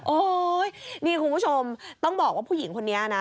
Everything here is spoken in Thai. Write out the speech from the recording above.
นี่คุณผู้ชมต้องบอกว่าผู้หญิงคนนี้นะ